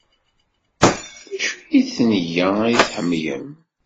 D acu n tenga ay tḥemmlem?